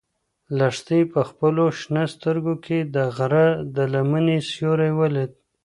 لښتې په خپلو شنه سترګو کې د غره د لمنې سیوری ولید.